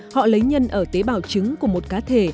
họ lấy nhân ở tế bào trứng của một cá thể